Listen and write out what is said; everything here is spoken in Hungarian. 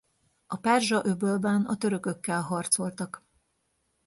A Perzsa-öbölben a törökökkel harcoltak.